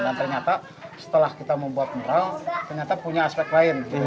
dan ternyata setelah kita membuat mural ternyata punya aspek lain